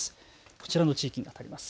こちらの地域にあたります。